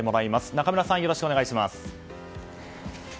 仲村さん、よろしくお願いします。